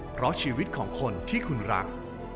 เพราะชีวิตของคนที่คุณรัก